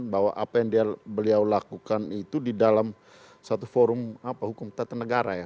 bahwa apa yang beliau lakukan itu di dalam satu forum hukum tata negara ya